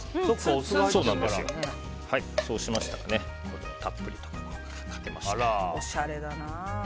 そうしましたらこれをたっぷりとかけまして。